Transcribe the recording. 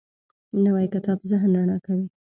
نوی کتاب ذهن رڼا کوي